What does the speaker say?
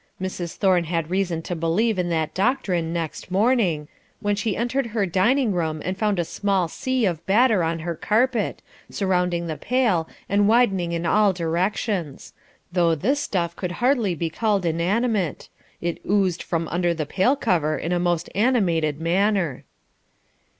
Mrs. Thorne had reason to believe in that doctrine next morning, when she entered her dining room and found a small sea of batter on her carpet, surrounding the pail and widening in all directions, though this stuff could hardly be called "inanimate;" it oozed from under the pail cover in a most animated manner.